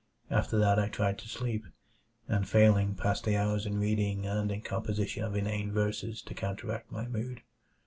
After that I tried to sleep; and failing, passed the hours in reading and in the composition of inane verses to counteract my mood.